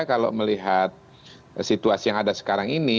kalau melihat situasi yang ada sekarang ini